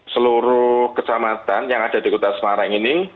seluruh kecamatan yang ada di kota semarang ini